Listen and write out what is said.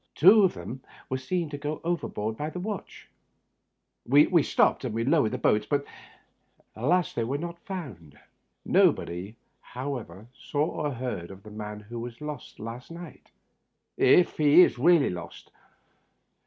Two of them were seen to go overboard by the watch ; we stopped and lowered boats, but they were not found. Nobody, however, saw or heard the man who was lost last night — ^if he is really lost.